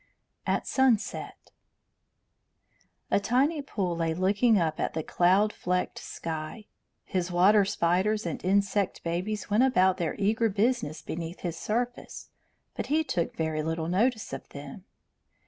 AT SUNSET A tiny pool lay looking up at the cloud flecked sky. His water spiders and insect babies went about their eager businesses beneath his surface, but he took very little notice of them.